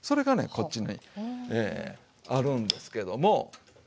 こっちにあるんですけども。